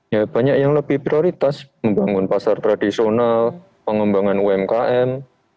ya banyak yang lebih prioritas membangun pasar tradisional pengembangan umkm